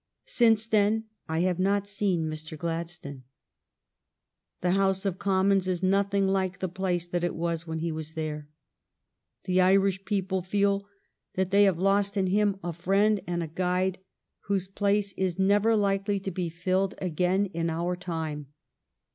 Since then I have not seen Mr. Gladstone. The House of Commons is nothing like the place that it was when he was there. The Irish people feel that they have lost in him a friend and a guide, whose place is never likely to be filled again in our time.